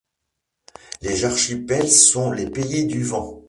Les archipels sont les pays du vent.